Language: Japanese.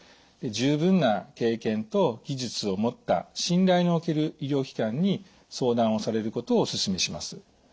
十分な経験と技術を持った信頼の置ける医療機関に相談をされることをお勧めします。